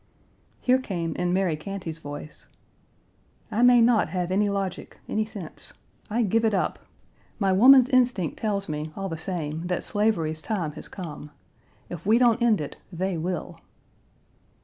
Here came in Mary Cantey's voice: "I may not have any logic, any sense. I give it up. My woman's Page 184 instinct tells me, all the same, that slavery's time has come. If we don't end it, they will."